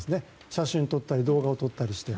写真撮ったり動画を撮ったりして。